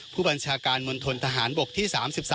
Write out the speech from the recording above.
ผู้บัญชาการมณฑนทหารบกที่๓๓